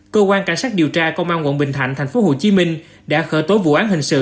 cơ quan cảnh sát điều tra công an quận bình thạnh tp hcm đã khởi tố vụ án hình sự